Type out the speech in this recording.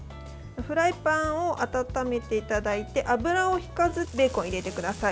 フライパンを温めていただいて油をひかずベーコンを入れてください。